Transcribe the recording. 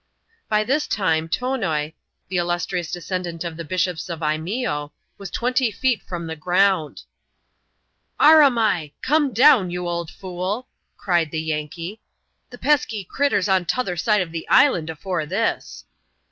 By this time, Tonoi, the illustrious descendant of the Bishops of Lneeo> was twenty feet from the ground. " Aramai ! com6 down, you old fool !" cried the Yankee ;" the pesky critter's on fother side of the island afore this.